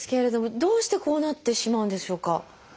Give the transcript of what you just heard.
どうしてこうなってしまうんでしょうか？